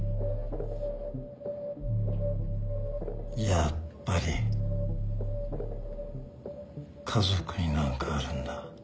やっぱり家族に何かあるんだ。